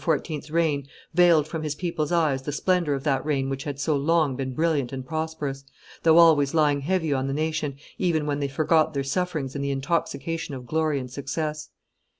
's reign veiled from his people's eyes the splendor of that reign which had so long been brilliant and prosperous, though always lying heavy on the nation, even when they forgot their sufferings in the intoxication of glory and success.